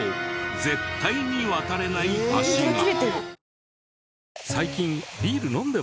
絶対に渡れない橋が。